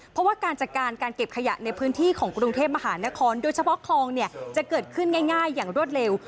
เพราะว่าการจัดการการเก็บขยะในพื้นที่ของกรุงเทพมหานครโดยเฉพาะคลองเนี่ยจะเกิดขึ้นง่ายอย่างรวดเร็ว